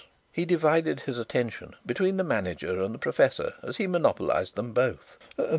He divided his attention between the manager and the professor as he monopolized them both.